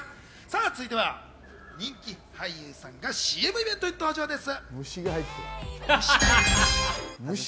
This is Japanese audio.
続いては人気俳優さんがＣＭイベントに登場です。